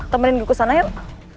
temenin gue kesana yuk